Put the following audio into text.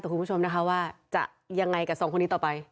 ของท่อทั้งหมด